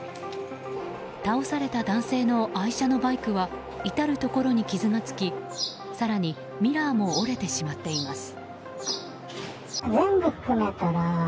倒された男性の愛車のバイクは至るところに傷がつき更にミラーも折れてしまっています。